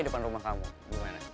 di depan rumah kamu gimana